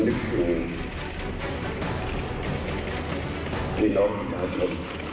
ที่น้องมาชม